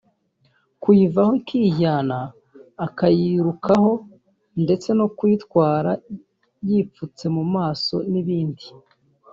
kuyivaho ikijyana akayirukaho ndetse no kuyitwara yipfutse mu maso n’ibindi